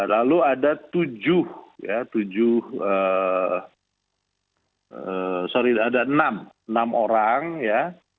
lalu ada tujuh ya tujuh sorry ada enam enam orang ya